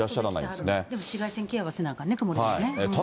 でも紫外線ケアはせなあかんね、雲出ててもね。